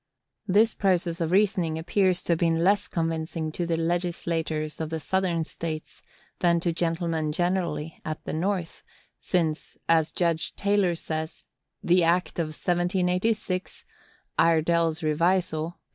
This process of reasoning appears to have been less convincing to the legislators of Southern States than to gentlemen generally at the North; since, as Judge Taylor says, "the act of 1786 (Iredell's Revisal, p.